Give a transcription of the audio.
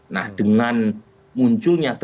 nah dengan munculnya